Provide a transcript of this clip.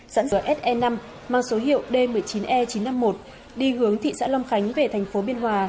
dẫn dò se năm mang số hiệu d một mươi chín e chín trăm năm mươi một đi hướng thị xã long khánh về thành phố biên hòa